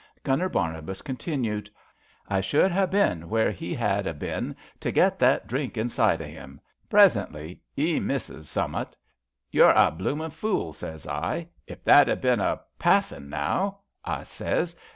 Gunner Barnabas continued: I should ha' seen where he had a bin to get that drink inside o' 'im. Presently, *e misses summat. * You're a bloomin' fool/ sez I. * If that had been a Pathan, now I ' I sez.